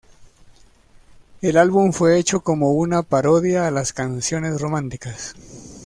El álbum fue hecho como una parodia a las canciones románticas.